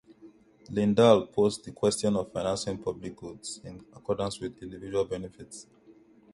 Lindahl posed the question of financing public goods in accordance with individual benefits.